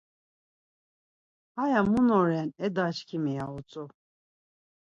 Haya Mun’oren e da-çkimi ya utzu.